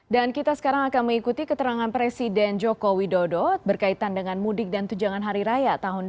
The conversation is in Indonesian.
dan kita sekarang akan mengikuti keterangan presiden joko widodo berkaitan dengan mudik dan tujangan hari raya tahun dua ribu dua puluh dua